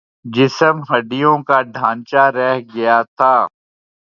جسم ہڈیوں کا ڈھانچا رہ گیا تھا